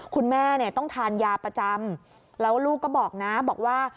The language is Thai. คุณแม่ต้องทานยาประจำแล้วลูกก็บอกว่า